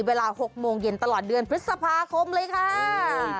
เวลา๖โมงเย็นตลอดเดือนพฤษภาคมเลยค่ะ